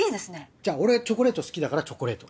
じゃあ俺チョコレート好きだからチョコレート。